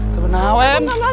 thôi nào em